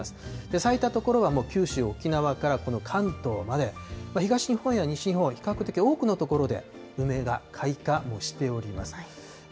咲いた所はもう九州、沖縄からこの関東まで、東日本や西日本は、比較的多くの所で梅が開花、もうしております。